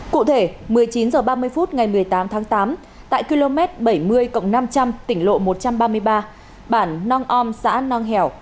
cụ thể một mươi chín h ba mươi phút ngày một mươi tám tháng tám tại km bảy mươi năm trăm linh tỉnh lộ một trăm ba mươi ba bản nong om xã nong hẻo